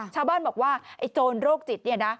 ชาวบ้านบอกว่าไอ้โจรโรคจิตเนี่ยนะ